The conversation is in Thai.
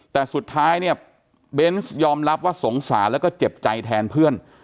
แต่สุดท้ายเนี่ยเบนส์ยอมรับว่าสงสารแล้วก็เจ็บใจแทนเพื่อน